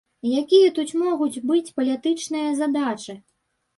Якія тут могуць быць палітычныя задачы?